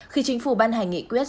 khi chính phủ ban hành nghị quyết